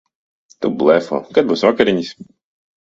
Tu blefo. Kad būs vakariņas?